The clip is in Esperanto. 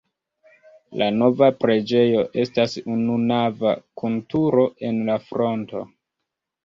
La nova preĝejo estas ununava kun turo en la fronto.